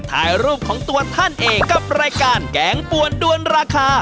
ถ่ายรูปของตัวท่านเองกับรายการแกงปวนด้วนราคา